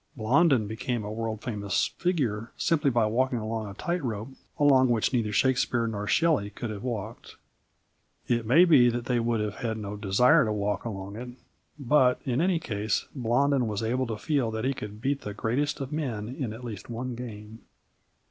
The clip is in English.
Blondin became a world famous figure simply by walking along a tight rope along which neither Shakespeare nor Shelley could have walked. It may be that they would have had no desire to walk along it, but in any case Blondin was able to feel that he could beat the greatest of men in at least one game.